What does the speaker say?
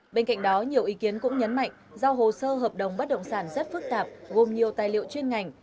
bên cạnh đó nhiều ý kiến cũng nhấn mạnh do hồ sơ hợp đồng bất động sản rất phức tạp gồm nhiều tài liệu chuyên ngành